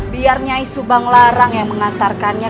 biar nyai subang larang yang mengantarkannya